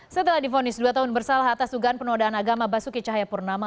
setelah difonis dua tahun bersalah atas dugaan penodaan agama basuki cahayapurnama